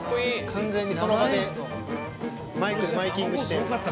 完全にその場でマイクでマイキングして。